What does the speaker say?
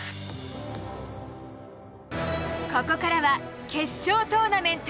ここからは決勝トーナメント。